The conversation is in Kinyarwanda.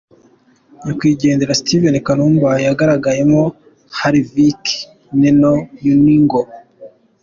nyakwigendera Steven Kanumba yagaragayemo: Haviliki, Neno, Ulingo,.